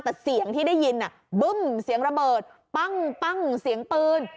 แต่เสียงที่ได้ยินบึ้มเสียงระเบิดปั้งเสียงปืน